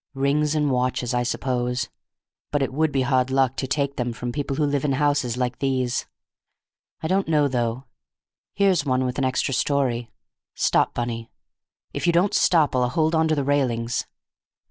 "Rings and watches, I suppose, but it would be hard luck to take them from people who live in houses like these. I don't know, though. Here's one with an extra story. Stop, Bunny; if you don't stop I'll hold on to the railings!